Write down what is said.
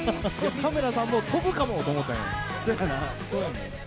カメラさんも飛ぶかもと思っそやな。